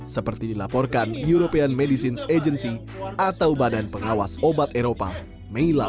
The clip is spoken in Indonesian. seperti dilaporkan european medicines agency atau badan pengawas obat eropa mei lalu